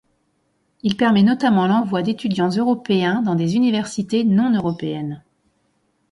Il permet notamment l'envoi d'étudiants européens dans des universités non-européennes.